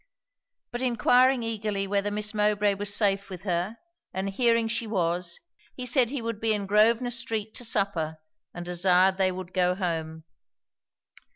But enquiring eagerly whether Miss Mowbray was safe with her, and hearing she was, he said he would be in Grosvenor street to supper, and desired they would go home.